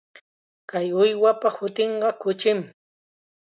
Kay uywapa hutinqa kuchim.